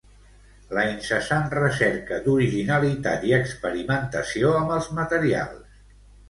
La incessant recerca d'originalitat i experimentació amb els materials.